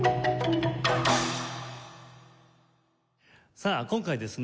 さあ今回ですね